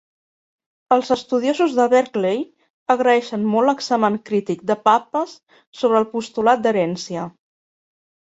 Els estudiosos de Berkeley agraeixen molt l'examen crític de Pappas sobre el "postulat d'herència".